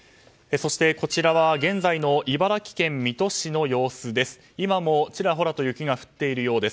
そして、こちらは現在の茨城県水戸市の様子です。